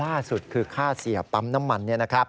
ล่าสุดคือค่าเสียปั๊มน้ำมัน